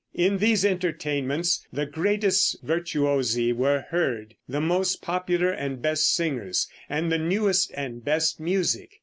In these entertainments the greatest virtuosi were heard, the most popular and best singers, and the newest and best music.